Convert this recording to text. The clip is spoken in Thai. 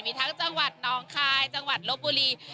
มีทั้งจังหวัดน้องคายจังหวัดลบบุรี